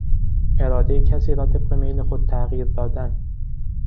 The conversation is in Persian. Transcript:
ارادهی کسی را طبق میل خود تغییر دادن